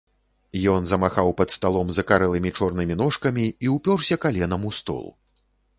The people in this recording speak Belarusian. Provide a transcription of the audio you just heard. Ён замахаў пад сталом закарэлымі чорнымі ножкамі і ўпёрся каленам у стол.